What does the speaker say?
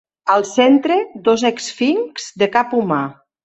Al centre dos esfinxs de cap humà.